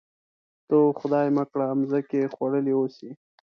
ته وا خدای مه کړه مځکې خوړلي اوسي.